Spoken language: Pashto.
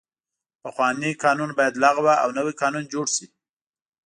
پخواني قوانین باید لغوه او نوي قوانین جوړ سي.